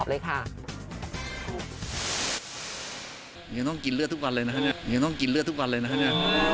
จะต้องกินเลือดทุกวันเลยนะคะ